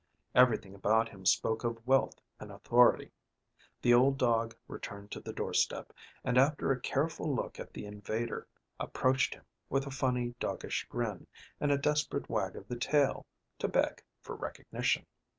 Everything about him spoke of wealth and authority. The old dog returned to the doorstep, and after a careful look at the invader approached him, with a funny doggish grin and a desperate wag of the tail, to beg for recognition.